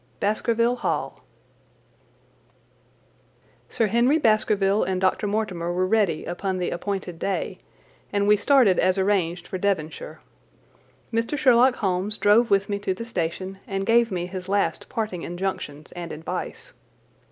Baskerville Hall Sir Henry Baskerville and Dr. Mortimer were ready upon the appointed day, and we started as arranged for Devonshire. Mr. Sherlock Holmes drove with me to the station and gave me his last parting injunctions and advice.